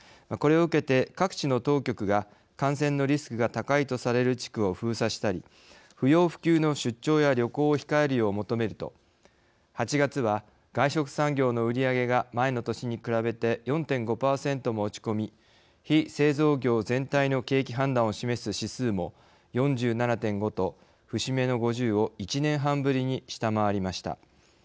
これを受けて、各地の当局が感染のリスクが高いとされる地区を封鎖したり不要不急の出張や旅行を控えるよう求めると８月は、外食産業の売り上げが前の年に比べて４．５％も落ち込み非製造業全体の景気判断を示す指数も４７．５と節目の５０を１年半ぶりに下回りました。